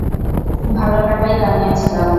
ভালো টাকাই কামিয়েছিলাম।